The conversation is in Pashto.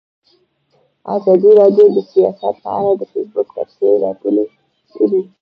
ازادي راډیو د سیاست په اړه د فیسبوک تبصرې راټولې کړي.